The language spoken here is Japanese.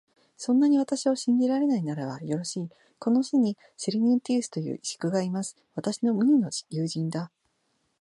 そんなに私を信じられないならば、よろしい、この市にセリヌンティウスという石工がいます。私の無二の友人だ。